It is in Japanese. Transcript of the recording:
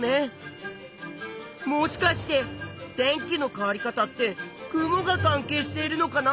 もしかして天気の変わり方って雲が関係しているのかな？